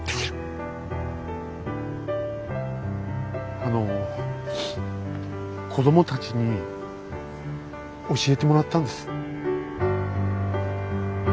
あの子供たちに教えてもらったんです。